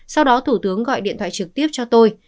sau đó thủ tướng gọi điện thoại trực tiếp cho tôi